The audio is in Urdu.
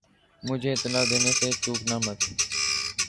مجھے اطلاع دینے سے چوکنا مت